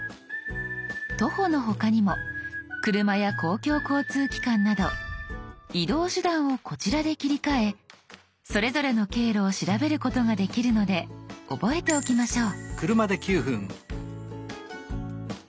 徒歩の他にも車や公共交通機関など移動手段をこちらで切り替えそれぞれの経路を調べることができるので覚えておきましょう。